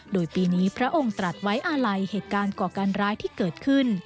โดยปีนี้พระองค์ตรัสไว้อาลัยเหตุการณ์ก่อการร้ายที่เกิดขึ้น